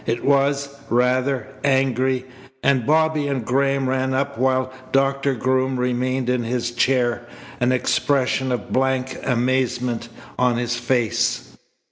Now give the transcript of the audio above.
It was, rather, angry. And Bobby and Graham ran up while Doctor Groom remained in his chair, an expression of blank amazement on his face.